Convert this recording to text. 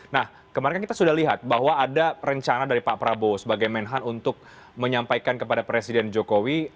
nah kemarin kan kita sudah lihat bahwa ada rencana dari pak prabowo sebagai menhan untuk menyampaikan kepada presiden jokowi